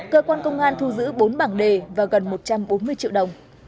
cơ quan công an thu giữ bốn bảng đề và gần một trăm bốn mươi triệu đồng